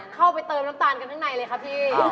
เข้าไปเติมน้ำตาลกันข้างในเลยค่ะพี่